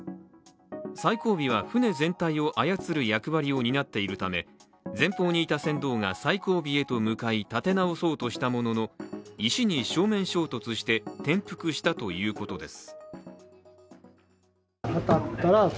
最後尾は船全体を操る役割を担っているため前方にいた船頭が最後尾へと向かい立て直そうとしたものの、石に正面衝突して転覆したということです。